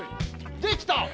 できた！